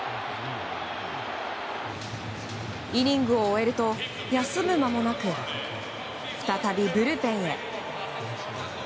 イニングを終えると休む間もなく、再びブルペンへ。